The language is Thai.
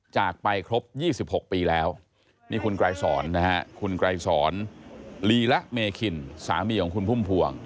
จากไปครบ๒๖ปีแล้วนี่คุณไกรสอนนะฮะคุณไกรสอนลีละเมคินสามีของคุณพุ่มพวง